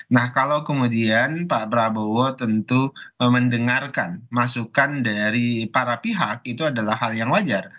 nah kalau kemudian pak prabowo tentu mendengarkan masukan dari para pihak itu adalah hal yang wajar